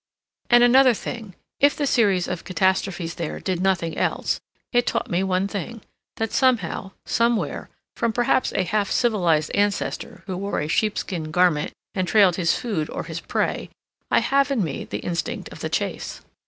And another thing: if the series of catastrophes there did nothing else, it taught me one thing—that somehow, somewhere, from perhaps a half civilized ancestor who wore a sheepskin garment and trailed his food or his prey, I have in me the instinct of the chase.